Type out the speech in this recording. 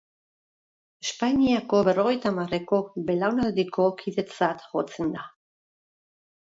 Espainiako berrogeita hamarreko belaunaldiko kidetzat jotzen da.